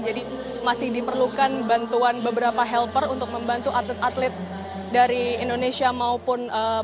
jadi masih diperlukan bantuan beberapa helper untuk membantu atlet atlet dari indonesia maupun indonesia